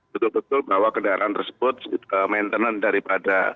betul betul bahwa kendaraan tersebut maintenance daripada engine dan alat remnya itu sudah betul dilakukan